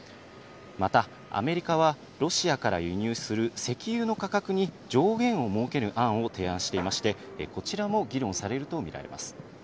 またアメリカは、ロシアから輸入する石油の価格に上限を設ける案を提案していまして、こちらも議論されると見られます。